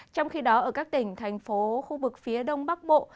trong khi đó ở các tỉnh thành phố khu vực phía đông bắc bộ